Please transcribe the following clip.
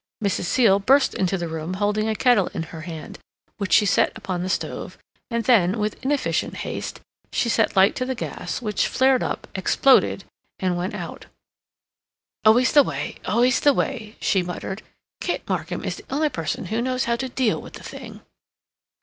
Mrs. Seal burst into the room holding a kettle in her hand, which she set upon the stove, and then, with inefficient haste, she set light to the gas, which flared up, exploded, and went out. "Always the way, always the way," she muttered. "Kit Markham is the only person who knows how to deal with the thing."